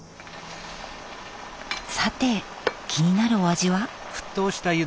さて気になるお味は？